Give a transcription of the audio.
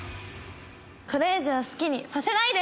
「これ以上好きにさせないで」。